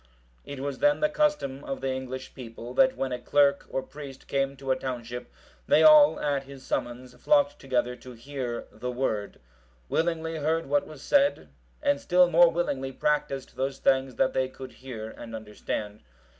It was then the custom of the English people, that when a clerk or priest came to a township, they all, at his summons, flocked together to hear the Word; willingly heard what was said, and still more willingly practised those things that they could hear and understand.